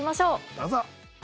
どうぞ！